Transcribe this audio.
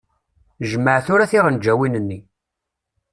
Jmeɛ tura tiɣenǧawin-nni.